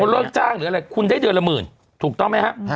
เลิกจ้างหรืออะไรคุณได้เดือนละหมื่นถูกต้องไหมครับ